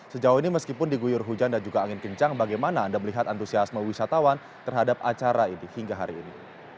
sejauh ini meskipun diguyur hujan dan juga angin kencang bagaimana anda melihat antusiasme wisatawan terhadap acara ini hingga hari ini